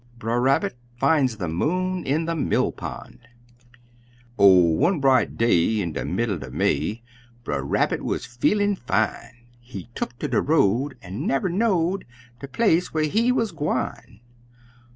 BRER RABBIT FINDS THE MOON IN THE MILL POND Oh, one bright day in de middle er May, Brer Rabbit wuz feelin' fine; He tuck ter de road, an' never know'd De place whar he wuz gwine!